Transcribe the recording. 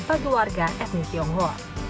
bagi warga etnis tiongho